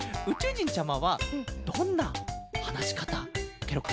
じんちゃまはどんなはなしかたケロかね？